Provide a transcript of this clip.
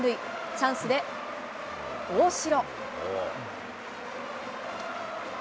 チャンスで、大城。